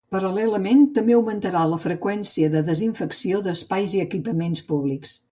Paral·lelament, també augmentarà la freqüència de desinfecció d'espais i equipaments públics.